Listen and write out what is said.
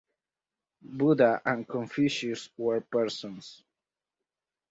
Buddha and Confucius were persons.